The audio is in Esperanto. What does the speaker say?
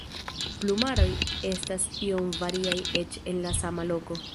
Plumaroj estas iom variaj eĉ en la sama loko.